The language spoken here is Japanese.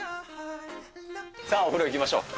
さあ、お風呂行きましょう。